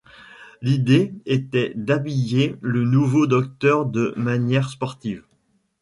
L'idée était d'habiller le nouveau Docteur de manière sportive.